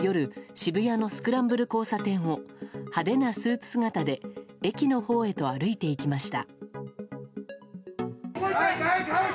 渋谷のスクランブル交差点を派手なスーツ姿で駅のほうへと歩いていきました。